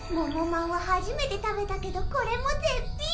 まんははじめて食べたけどこれも絶品！